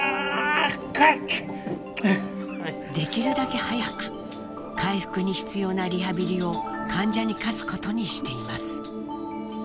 できるだけ早く回復に必要なリハビリを患者に課すことにしています。